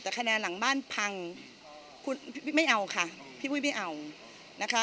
แต่คะแนนหลังบ้านพังคุณพี่ไม่เอาค่ะพี่ปุ้ยไม่เอานะคะ